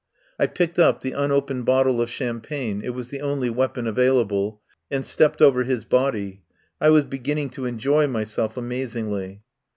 I picked up the unopened bottle of cham pagne — it was the only weapon available — and stepped over his body. I was beginning to enjoy myself amazingly.